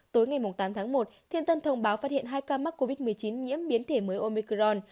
tối ngày tám tháng một thiên tân thông báo phát hiện hai ca mắc covid một mươi chín nhiễm biến thể mới omicron